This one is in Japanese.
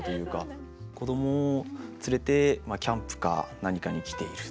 子供を連れてキャンプか何かに来ている。